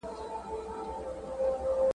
لاري بندي وې له واورو او له خټو ,